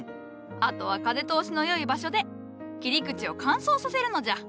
あとは風通しの良い場所で切り口を乾燥させるのじゃ。